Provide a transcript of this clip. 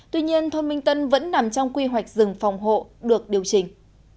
tuy nhiên thôn minh tân vẫn nằm trong quy hoạch rừng phòng hộ được điều chỉnh